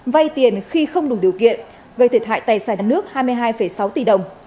vay tiền khi không đủ điều kiện gây thiệt hại tài sản nước hai mươi hai sáu tỷ đồng